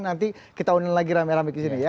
nanti kita undang lagi rame rame disini ya